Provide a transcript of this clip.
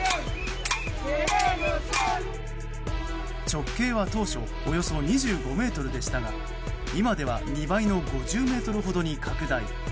直径は当初およそ２５ｍでしたが今では２倍の５０ｍほどに拡大。